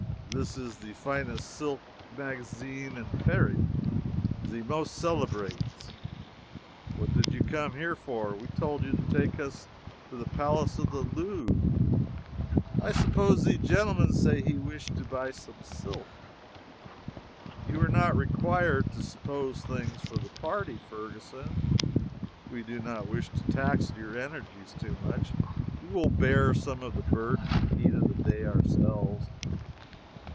"Zis is ze finest silk magazin in Paris ze most celebrate." "What did you come here for? We told you to take us to the palace of the Louvre." "I suppose ze gentleman say he wish to buy some silk." "You are not required to 'suppose' things for the party, Ferguson. We do not wish to tax your energies too much. We will bear some of the burden and heat of the day ourselves.